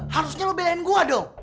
harusnya lu belain gua dong